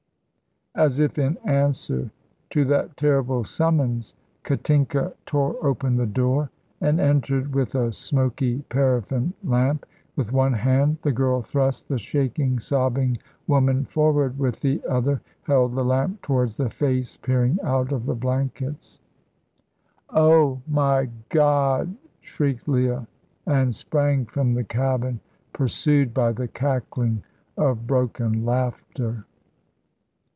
As if in answer to that terrible summons, Katinka tore open the door and entered with a smoky paraffin lamp. With one hand the girl thrust the shaking, sobbing woman forward, with the other held the lamp towards the face peering out of the blankets. "Oh, my God!" shrieked Leah, and sprang from the cabin, pursued by the cackling of broken laughter.